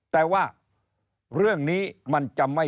แต่ว่าเรื่องนี้มันจะไม่วูบวาป